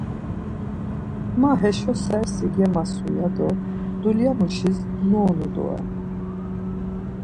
Ma heşo sersi gemasu ya do dulyamuşis nuonu doren.